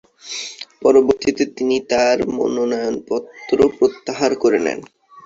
পরবর্তীতে, তিনি তার মনোনয়নপত্র প্রত্যাহার করে নেন।